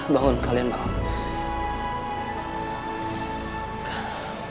bangun kalian bangun